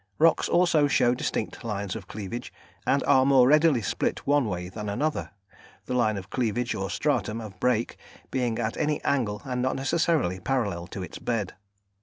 Rocks also show distinct lines of cleavage, and are more readily split one way than another, the line of cleavage or stratum of break being at any angle and not necessarily parallel to its bed.